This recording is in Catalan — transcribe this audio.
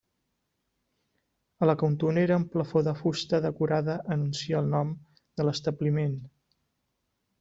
A la cantonera un plafó de fusta decorada anuncia el nom de l'establiment.